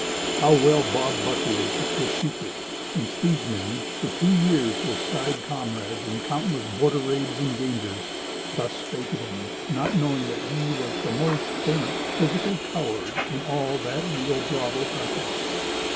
How well Bob Buckley had kept his secret, since these men, for two years his side comrades in countless border raids and dangers, thus spake of him, not knowing that he was the most arrant physical coward in all that Rio Bravo country!